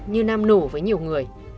như nam nổ với nhiều người